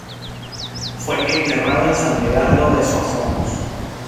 Fue enterrado en San Medardo de Soissons.